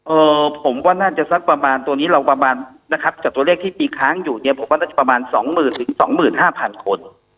เอ่อผมว่าน่าจะสักประมาณตัวนี้เราประมาณนะครับจากตัวเลขที่มีค้างอยู่เนี่ยผมว่าน่าจะประมาณสองหมื่นถึงสองหมื่นห้าพันคน